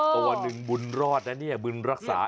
ตัวหนึ่งบุญรอดนะเนี่ยบุญรักษา